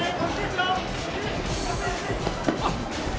あっ。